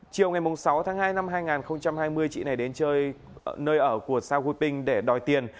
chiều ngày sáu tháng hai năm hai nghìn hai mươi chị này đến chơi nơi ở của sao gu ping để đòi tiền